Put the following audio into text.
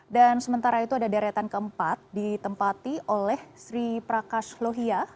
dan sementara itu ada deretan keempat ditempati oleh sri prakash lohia